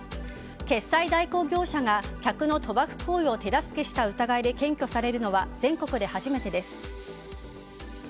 決済代行業者が客の賭博行為を手助けした疑いで検挙されるのは全国で初めてです。